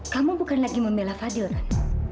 kamu bukan lagi membela fadil kan